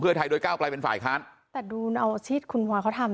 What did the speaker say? เพื่อไทยโดยก้าวไกลเป็นฝ่ายค้านแต่ดูเอาชีพคุณพลอยเขาทำ